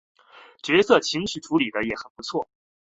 角色情绪处理的也很不错